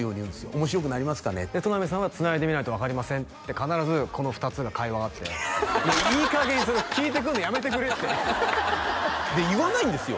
「面白くなりますかね？」って戸波さんは「つないでみないと分かりません」って必ずこの２つが会話があって「いい加減それ聞いてくるのやめてくれ」ってで言わないんですよ